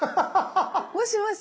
もしもし。